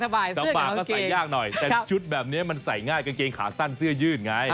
แบบนี้มันใส่ง่ายกางเกงขาสั้นเสื้อยื่นไง